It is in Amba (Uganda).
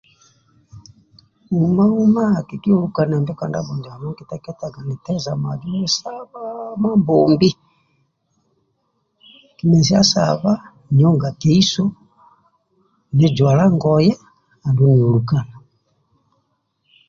Uma uma ke kiolukanembe ka ndabho ndiamo nikiteketaga nisaba Mambombi kimesia saba nioga keiso nijwala ngoye andulu niolukana